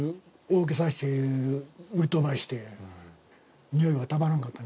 大きくさせて売り飛ばしてにおいはたまらんかった。